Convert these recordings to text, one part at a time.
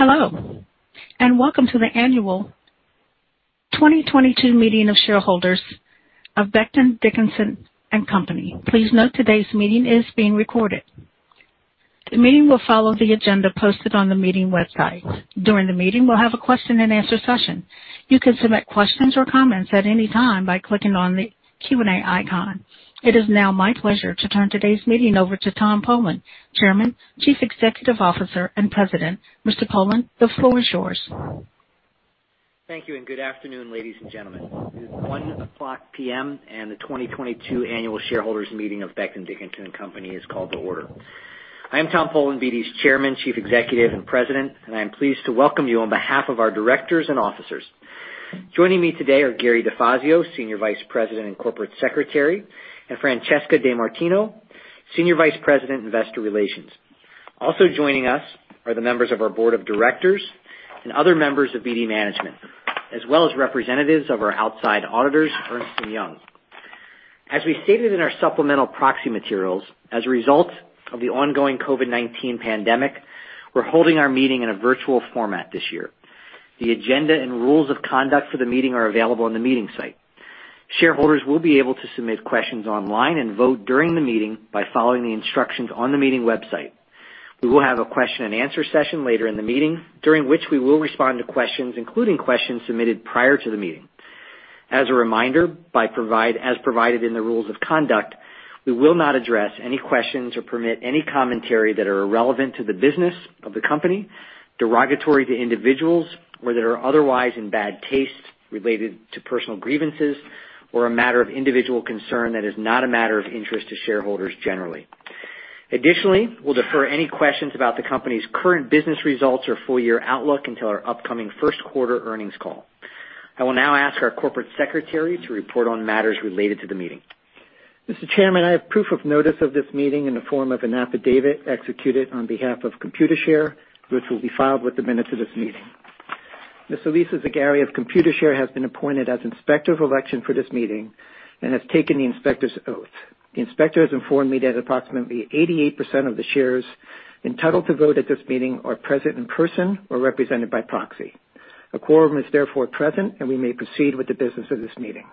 Hello, and welcome to the annual 2022 meeting of shareholders of Becton, Dickinson and Company. Please note today's meeting is being recorded. The meeting will follow the agenda posted on the meeting website. During the meeting, we'll have a question and answer session. You can submit questions or comments at any time by clicking on the Q&A icon. It is now my pleasure to turn today's meeting over to Tom Polen, Chairman, Chief Executive Officer, and President. Mr. Polen, the floor is yours. Thank you and good afternoon, ladies and gentlemen. It is 1:00 P.M., and the 2022 annual shareholders' meeting of Becton, Dickinson and Company is called to order. I am Tom Polen, BD's Chairman, Chief Executive, and President, and I am pleased to welcome you on behalf of our directors and officers. Joining me today are Gary DeFazio, Senior Vice President and Corporate Secretary, and Francesca DeMartino, Senior Vice President, Investor Relations. Also joining us are the members of our board of directors and other members of BD management, as well as representatives of our outside auditors, Ernst & Young. As we stated in our supplemental proxy materials, as a result of the ongoing COVID-19 pandemic, we're holding our meeting in a virtual format this year. The agenda and rules of conduct for the meeting are available on the meeting site. Shareholders will be able to submit questions online and vote during the meeting by following the instructions on the meeting website. We will have a question and answer session later in the meeting, during which we will respond to questions, including questions submitted prior to the meeting. As a reminder, as provided in the rules of conduct, we will not address any questions or permit any commentary that are irrelevant to the business of the company, derogatory to individuals, or that are otherwise in bad taste related to personal grievances, or a matter of individual concern that is not a matter of interest to shareholders generally. Additionally, we'll defer any questions about the company's current business results or full-year outlook until our upcoming first quarter earnings call. I will now ask our corporate secretary to report on matters related to the meeting. Mr. Chairman, I have proof of notice of this meeting in the form of an affidavit executed on behalf of Computershare, which will be filed with the minutes of this meeting. Ms. Elisa Zagari of Computershare has been appointed as Inspector of Election for this meeting and has taken the inspector's oath. The inspector has informed me that approximately 88% of the shares entitled to vote at this meeting are present in person or represented by proxy. A quorum is therefore present, and we may proceed with the business of this meeting.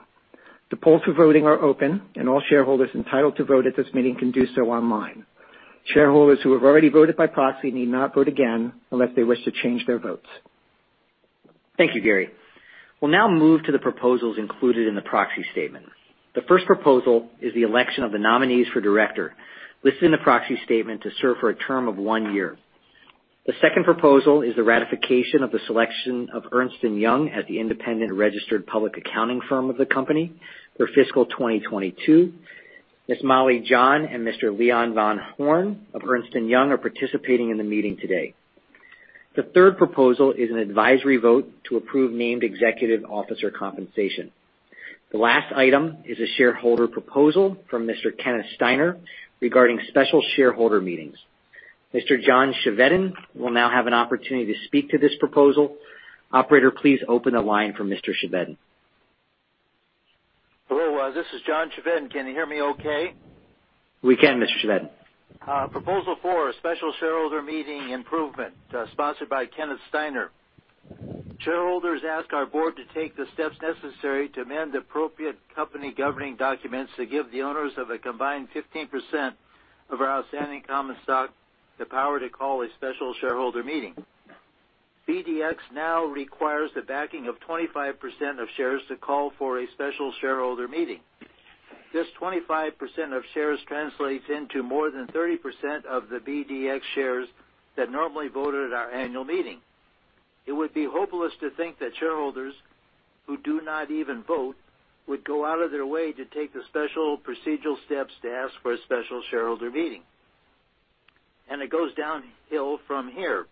The polls for voting are open, and all shareholders entitled to vote at this meeting can do so online. Shareholders who have already voted by proxy need not vote again unless they wish to change their votes. Thank you, Gary. We'll now move to the proposals included in the proxy statement. The first proposal is the election of the nominees for director, listed in the proxy statement to serve for a term of one year. The second proposal is the ratification of the selection of Ernst & Young as the independent registered public accounting firm of the company for fiscal 2022. Ms. Molly John and Mr. Leon von Horne of Ernst & Young are participating in the meeting today. The third proposal is an advisory vote to approve named executive officer compensation. The last item is a shareholder proposal from Mr. Kenneth Steiner regarding special shareholder meetings. Mr. John Chevedden will now have an opportunity to speak to this proposal. Operator, please open the line for Mr. Chevedden. Hello, this is John Chevedden. Can you hear me okay? We can, Mr. Chevedden. Proposal four, special shareholder meeting improvement, sponsored by Kenneth Steiner. Shareholders ask our board to take the steps necessary to amend appropriate company governing documents to give the owners of a combined 15% of our outstanding common stock the power to call a special shareholder meeting. BDX now requires the backing of 25% of shares to call for a special shareholder meeting. This 25% of shares translates into more than 30% of the BDX shares that normally vote at our annual meeting. It would be hopeless to think that shareholders who do not even vote would go out of their way to take the special procedural steps to ask for a special shareholder meeting. It goes downhill from here.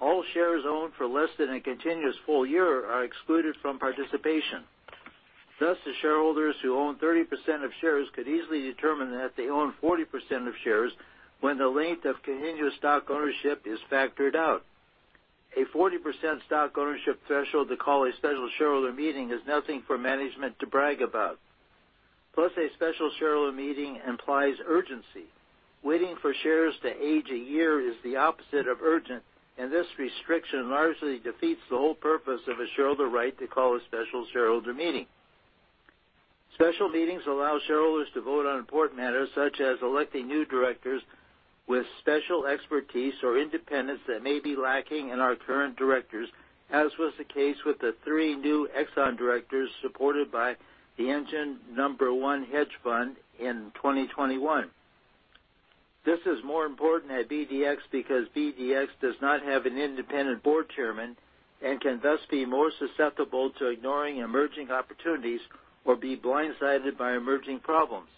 All shares owned for less than a continuous full year are excluded from participation. Thus, the shareholders who own 30% of shares could easily determine that they own 40% of shares when the length of continuous stock ownership is factored out. A 40% stock ownership threshold to call a special shareholder meeting is nothing for management to brag about. Plus, a special shareholder meeting implies urgency. Waiting for shares to age a year is the opposite of urgent, and this restriction largely defeats the whole purpose of a shareholder right to call a special shareholder meeting. Special meetings allow shareholders to vote on important matters, such as electing new directors with special expertise or independence that may be lacking in our current directors, as was the case with the three new ExxonMobil directors supported by the Engine No. 1 hedge fund in 2021. This is more important at BDX because BDX does not have an independent board chairman and can thus be more susceptible to ignoring emerging opportunities or be blindsided by emerging problems.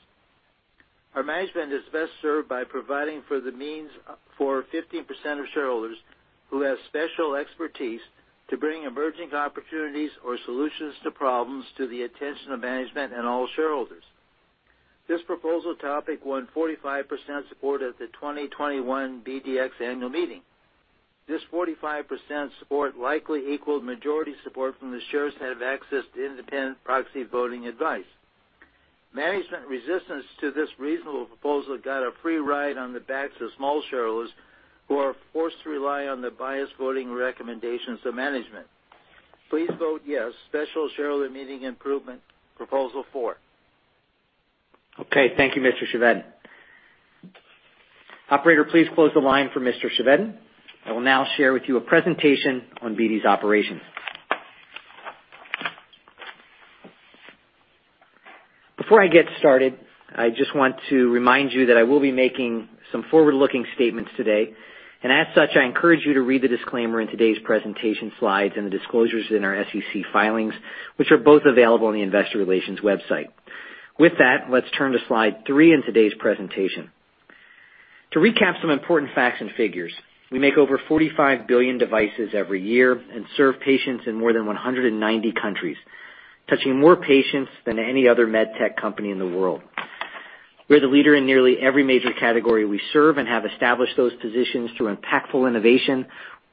Our management is best served by providing for the means for 15% of shareholders who have special expertise to bring emerging opportunities or solutions to problems to the attention of management and all shareholders. This proposal topic won 45% support at the 2021 BDX annual meeting. This 45% support likely equaled majority support from the shares that have access to independent proxy voting advice. Management resistance to this reasonable proposal got a free ride on the backs of small shareholders who are forced to rely on the biased voting recommendations of management. Please vote yes. Special shareholder meeting improvement proposal four. Okay. Thank you, Mr. Chevedden. Operator, please close the line for Mr. Chevedden. I will now share with you a presentation on BD's operations. Before I get started, I just want to remind you that I will be making some forward-looking statements today, and as such, I encourage you to read the disclaimer in today's presentation slides and the disclosures in our SEC filings, which are both available on the Investor Relations website. With that, let's turn to slide three in today's presentation. To recap some important facts and figures, we make over 45 billion devices every year and serve patients in more than 190 countries, touching more patients than any other med tech company in the world. We're the leader in nearly every major category we serve and have established those positions through impactful innovation,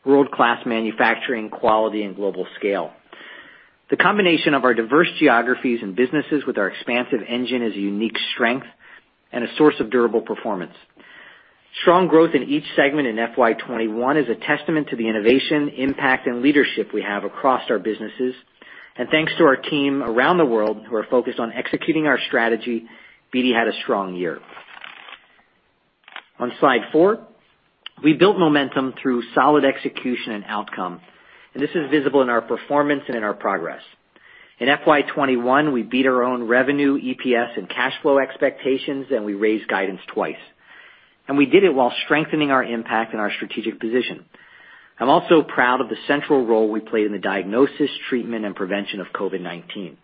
world-class manufacturing, quality, and global scale. The combination of our diverse geographies and businesses with our expansive engine is a unique strength and a source of durable performance. Strong growth in each segment in FY 2021 is a testament to the innovation, impact, and leadership we have across our businesses. Thanks to our team around the world who are focused on executing our strategy, BD had a strong year. On slide four, we built momentum through solid execution and outcome, and this is visible in our performance and in our progress. In FY 2021, we beat our own revenue, EPS, and cash flow expectations, and we raised guidance twice, and we did it while strengthening our impact and our strategic position. I'm also proud of the central role we play in the diagnosis, treatment, and prevention of COVID-19.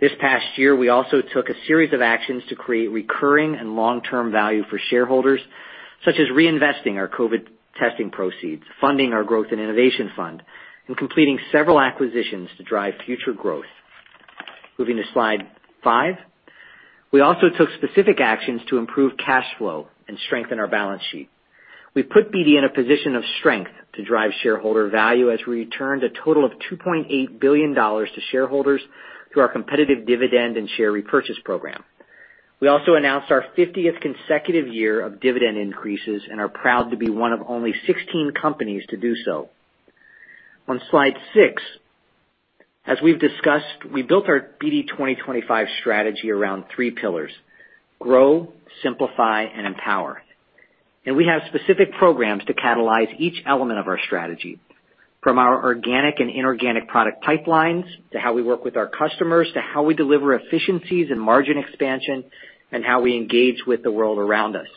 This past year, we also took a series of actions to create recurring and long-term value for shareholders, such as reinvesting our COVID testing proceeds, funding our growth and innovation fund, and completing several acquisitions to drive future growth. Moving to slide five. We also took specific actions to improve cash flow and strengthen our balance sheet. We put BD in a position of strength to drive shareholder value as we returned a total of $2.8 billion to shareholders through our competitive dividend and share repurchase program. We also announced our fiftieth consecutive year of dividend increases and are proud to be one of only 16 companies to do so. On slide six, as we've discussed, we built our BD 2025 strategy around three pillars, grow, simplify, and empower. We have specific programs to catalyze each element of our strategy, from our organic and inorganic product pipelines, to how we work with our customers, to how we deliver efficiencies and margin expansion, and how we engage with the world around us.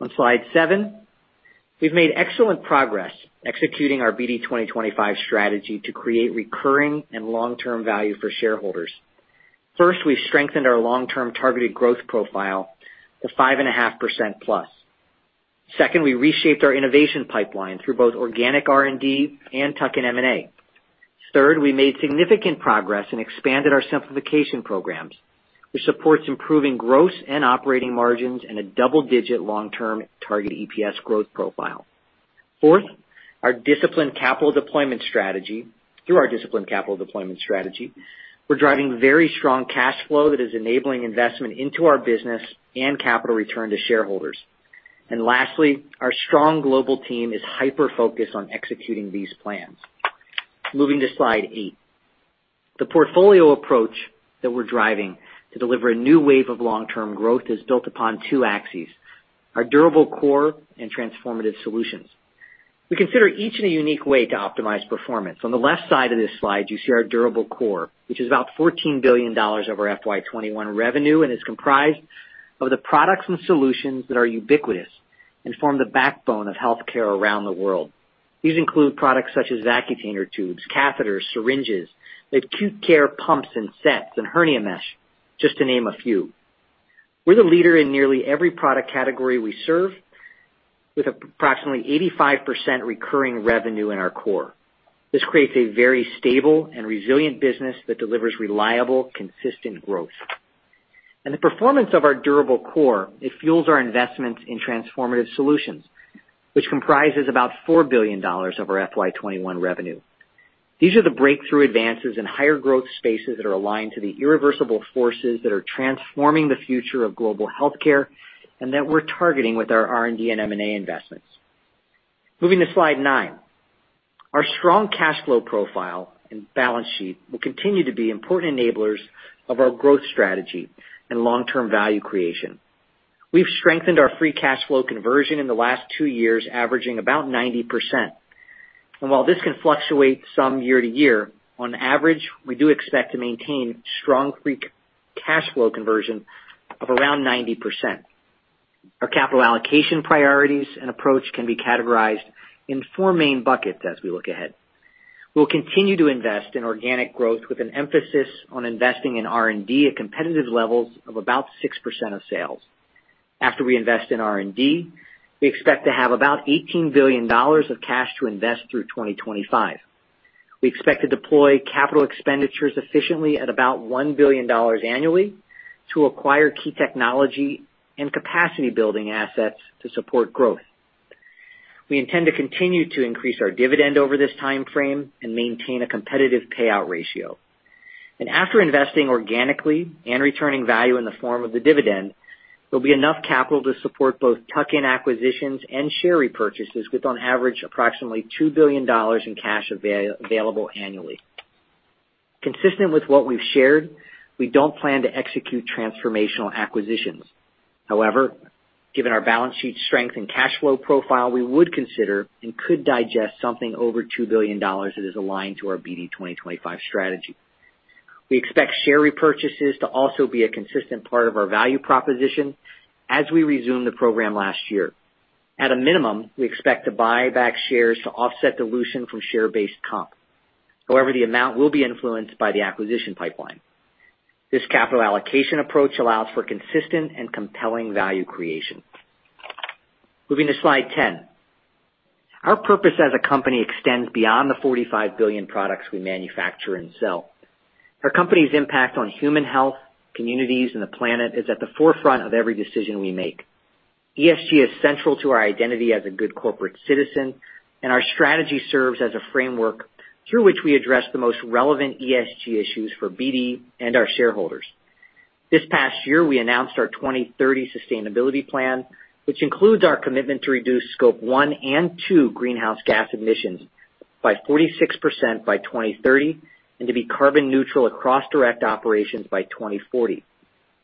On slide seven, we've made excellent progress executing our BD 2025 strategy to create recurring and long-term value for shareholders. First, we strengthened our long-term targeted growth profile to 5.5%+. Second, we reshaped our innovation pipeline through both organic R&D and tuck-in M&A. Third, we made significant progress and expanded our simplification programs, which supports improving gross and operating margins in a double-digit long-term target EPS growth profile. Fourth, our disciplined capital deployment strategy. Through our disciplined capital deployment strategy, we're driving very strong cash flow that is enabling investment into our business and capital return to shareholders. Lastly, our strong global team is hyper-focused on executing these plans. Moving to slide eight. The portfolio approach that we're driving to deliver a new wave of long-term growth is built upon two axes, our durable core and transformative solutions. We consider each in a unique way to optimize performance. On the left side of this slide, you see our durable core, which is about $14 billion of our FY 2021 revenue and is comprised of the products and solutions that are ubiquitous and form the backbone of healthcare around the world. These include products such as Vacutainer tubes, catheters, syringes, acute care pumps and sets, and hernia mesh, just to name a few. We're the leader in nearly every product category we serve with approximately 85% recurring revenue in our core. This creates a very stable and resilient business that delivers reliable, consistent growth. The performance of our durable core, it fuels our investments in transformative solutions, which comprises about $4 billion of our FY 2021 revenue. These are the breakthrough advances in higher growth spaces that are aligned to the irreversible forces that are transforming the future of global healthcare and that we're targeting with our R&D and M&A investments. Moving to slide nine. Our strong cash flow profile and balance sheet will continue to be important enablers of our growth strategy and long-term value creation. We've strengthened our free cash flow conversion in the last two years, averaging about 90%. While this can fluctuate some year to year, on average, we do expect to maintain strong free cash flow conversion of around 90%. Our capital allocation priorities and approach can be categorized in four main buckets as we look ahead. We'll continue to invest in organic growth with an emphasis on investing in R&D at competitive levels of about 6% of sales. After we invest in R&D, we expect to have about $18 billion of cash to invest through 2025. We expect to deploy capital expenditures efficiently at about $1 billion annually to acquire key technology and capacity building assets to support growth. We intend to continue to increase our dividend over this time frame and maintain a competitive payout ratio. After investing organically and returning value in the form of the dividend, there'll be enough capital to support both tuck-in acquisitions and share repurchases with on average approximately $2 billion in cash available annually. Consistent with what we've shared, we don't plan to execute transformational acquisitions. However, given our balance sheet strength and cash flow profile, we would consider and could digest something over $2 billion that is aligned to our BD 2025 strategy. We expect share repurchases to also be a consistent part of our value proposition as we resume the program last year. At a minimum, we expect to buy back shares to offset dilution from share-based comp. However, the amount will be influenced by the acquisition pipeline. This capital allocation approach allows for consistent and compelling value creation. Moving to slide 10. Our purpose as a company extends beyond the 45 billion products we manufacture and sell. Our company's impact on human health, communities, and the planet is at the forefront of every decision we make. ESG is central to our identity as a good corporate citizen, and our strategy serves as a framework through which we address the most relevant ESG issues for BD and our shareholders. This past year, we announced our 2030 sustainability plan, which includes our commitment to reduce scope one and two greenhouse gas emissions by 46% by 2030 and to be carbon neutral across direct operations by 2040.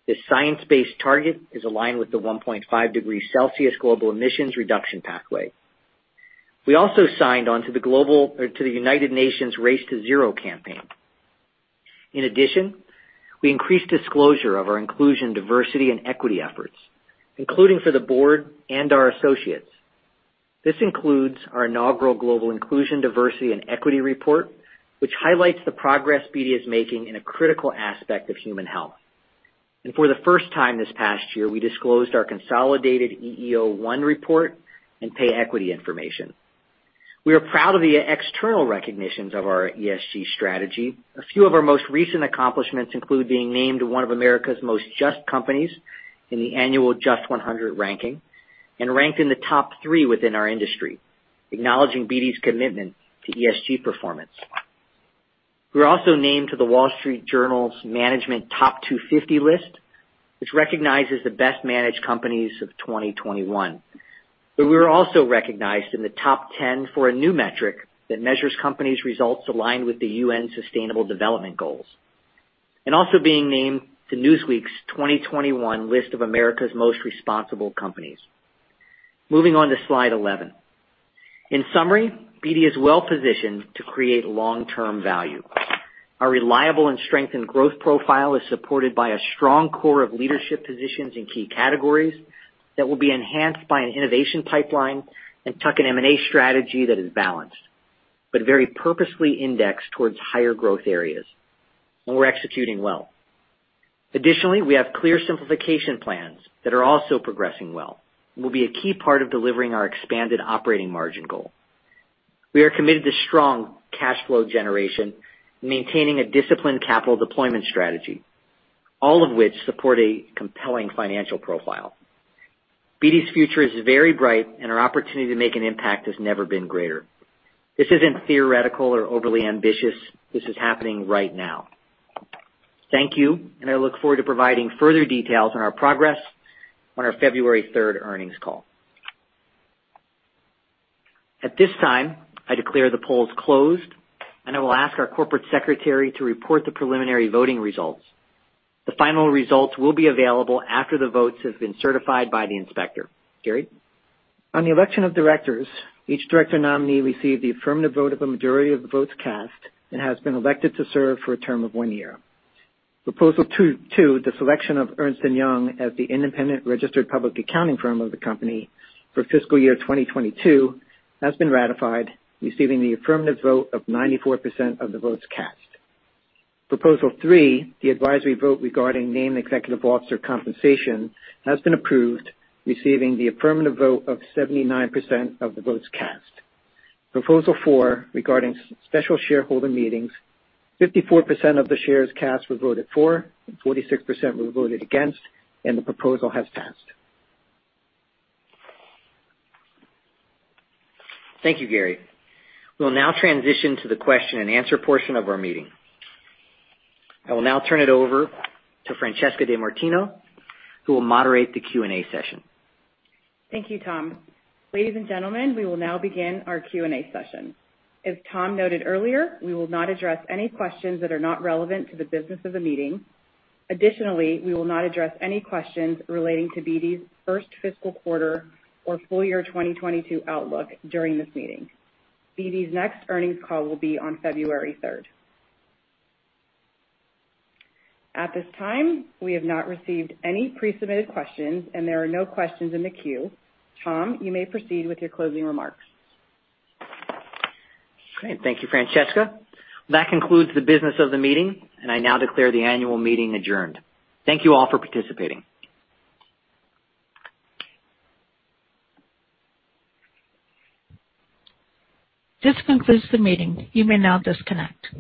This science-based target is aligned with the 1.5-degree Celsius global emissions reduction pathway. We also signed on to the United Nations Race to Zero campaign. In addition, we increased disclosure of our inclusion, diversity, and equity efforts, including for the board and our associates. This includes our inaugural Global Inclusion, Diversity and Equity Report, which highlights the progress BD is making in a critical aspect of human health. For the first time this past year, we disclosed our consolidated EEO-1 report and pay equity information. We are proud of the external recognitions of our ESG strategy. A few of our most recent accomplishments include being named one of America's most just companies in the annual JUST 100 ranking and ranked in the top three within our industry, acknowledging BD's commitment to ESG performance. We were also named to The Wall Street Journal's Management Top 250 list, which recognizes the best managed companies of 2021. We were also recognized in the top 10 for a new metric that measures companies' results aligned with the UN Sustainable Development Goals, also being named to Newsweek's 2021 list of America's Most Responsible Companies. Moving on to slide 11. In summary, BD is well-positioned to create long-term value. Our reliable and strengthened growth profile is supported by a strong core of leadership positions in key categories that will be enhanced by an innovation pipeline and tuck-in M&A strategy that is balanced, but very purposefully indexed towards higher growth areas, and we're executing well. Additionally, we have clear simplification plans that are also progressing well and will be a key part of delivering our expanded operating margin goal. We are committed to strong cash flow generation, maintaining a disciplined capital deployment strategy, all of which support a compelling financial profile. BD's future is very bright and our opportunity to make an impact has never been greater. This isn't theoretical or overly ambitious. This is happening right now. Thank you, and I look forward to providing further details on our progress on our February 3rd earnings call. At this time, I declare the polls closed, and I will ask our corporate secretary to report the preliminary voting results. The final results will be available after the votes have been certified by the inspector. Gary? On the election of directors, each director nominee received the affirmative vote of a majority of the votes cast and has been elected to serve for a term of one year. Proposal two, the selection of Ernst & Young as the independent registered public accounting firm of the company for fiscal year 2022, has been ratified, receiving the affirmative vote of 94% of the votes cast. Proposal three, the advisory vote regarding named executive officer compensation, has been approved, receiving the affirmative vote of 79% of the votes cast. Proposal four, regarding special shareholder meetings, 54% of the shares cast were voted for and 46% were voted against, and the proposal has passed. Thank you, Gary. We'll now transition to the question and answer portion of our meeting. I will now turn it over to Francesca DeMartino, who will moderate the Q&A session. Thank you, Tom. Ladies and gentlemen, we will now begin our Q&A session. As Tom noted earlier, we will not address any questions that are not relevant to the business of the meeting. Additionally, we will not address any questions relating to BD's first fiscal quarter or full year 2022 outlook during this meeting. BD's next earnings call will be on February 3rd. At this time, we have not received any pre-submitted questions, and there are no questions in the queue. Tom, you may proceed with your closing remarks. Great. Thank you, Francesca. That concludes the business of the meeting, and I now declare the annual meeting adjourned. Thank you all for participating. This concludes the meeting. You may now disconnect.